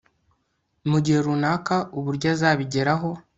mu gihe runaka, uburyo uzabigeraho